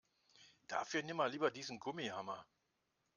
Dafür nimm mal lieber diesen Gummihammer.